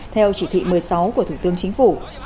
theo chỉ thị một mươi sáu của thủ tướng chính phủ